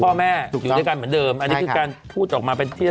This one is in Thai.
พ่อแม่อยู่ด้วยกันเหมือนเดิมอันนี้คือการพูดออกมาเป็นที่